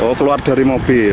oh keluar dari mobil